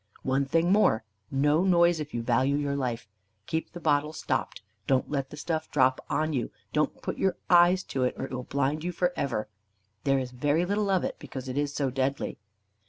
One thing more: No noise, if you value your life. Keep the bottle stopped. Don't let the stuff drop on you; don't put your eyes to it, or it will blind you for ever. There is very little of it, because it is so deadly."